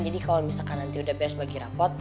jadi kalau misalkan nanti udah beres bagi rapot